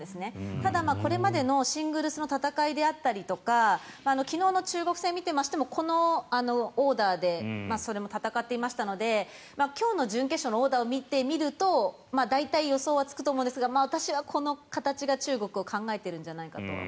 ただ、これまでのシングルスの戦いであったりとか昨日の中国戦を見てもこのオーダーでそれも戦っていましたので今日の準決勝のオーダーを見てみると大体予想はつくと思うんですが私はこの形を中国が考えているんじゃないかと。